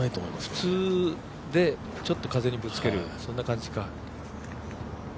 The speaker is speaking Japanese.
普通で、ちょっと風にぶつける感じか。